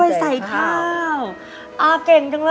เอากล้วยใส่ข้าวเอากล้วยใส่ข้าว